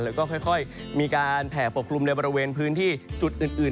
แล้วก็ค่อยมีการแผ่ปกคลุมในบริเวณพื้นที่จุดอื่น